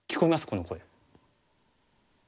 この声。